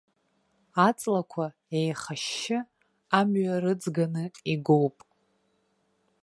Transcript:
Аҵлақәа еихашьшьы, амҩа рыҵганы игоуп.